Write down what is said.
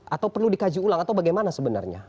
atau perlu dikaji ulang atau bagaimana sebenarnya